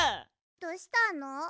どうしたの？